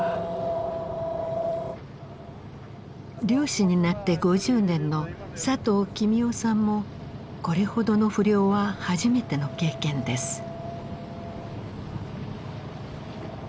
漁師になって５０年の佐藤公男さんもこれほどの不漁は初めての経験です。